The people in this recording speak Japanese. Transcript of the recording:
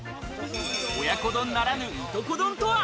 親子丼ならぬ、いとこ丼とは？